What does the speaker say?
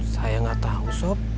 saya gak tau sob